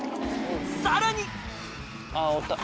さらに！